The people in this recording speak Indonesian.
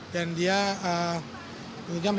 dan dia juga melakukan